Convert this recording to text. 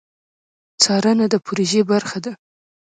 څارنه د پروژې برخه ده